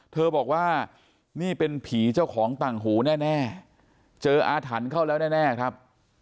เธอบอกว่านี่เป็นผีเจ้าของต่างหูแน่เจออาถรรพ์เข้าแล้วแน่ครับ